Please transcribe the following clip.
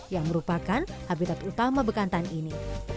yang merupakan habitat utama bekantan ini